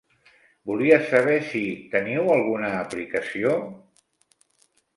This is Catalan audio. Volia saber si teniu alguna aplicació?